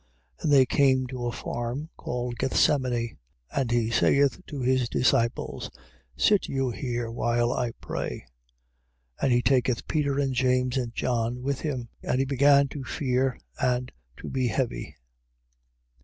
14:32. And they came to a farm called Gethsemani. And he saith to his disciples: Sit you here, while I pray. 14:33. And he taketh Peter and James and John with him: and he began to fear and to be heavy.